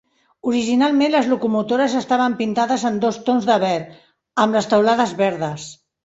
Originalment, les locomotores estaven pintades en dos tons de verd, amb les teulades verdes.